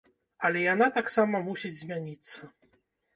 Але яна таксама мусіць змяніцца.